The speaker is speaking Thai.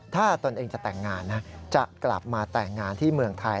ถ้าตนเองจะแต่งงานนะจะกลับมาแต่งงานที่เมืองไทย